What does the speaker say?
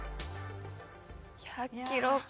１００キロか。